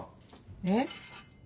えっ？